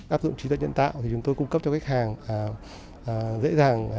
áp dụng trí tật nhận tạo thì chúng tôi cung cấp cho khách hàng dễ dàng